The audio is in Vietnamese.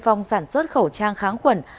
cùng ba người con ngoan